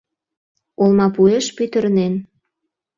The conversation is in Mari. Олмапуэш пӱтырнен.